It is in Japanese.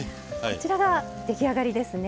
こちらが出来上がりですね。